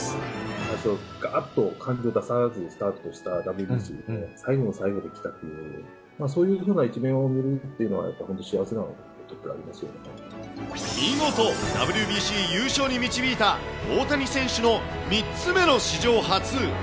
最初はがらっと感情を出さずにスタートしたＷＢＣで、最後の最後にきたっていう、そういうような一面を見るっていうのは、やっぱり幸せなことだな見事、ＷＢＣ優勝に導いた大谷選手の３つ目の史上初。